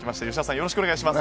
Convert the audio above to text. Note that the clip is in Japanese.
よろしくお願いします。